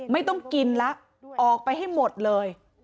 ไม่ต้องกินแล้วออกไปให้หมดเลย